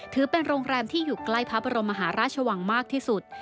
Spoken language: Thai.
ถือเป็นโรงแรมที่อยู่ใกล้พระบรมมหาราชวังมากที่สุด